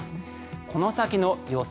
この先の予想